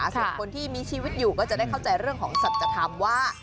ส่วนคนที่มีชีวิตอยู่ก็จะได้เข้าใจเรื่องของสัจธรรมว่า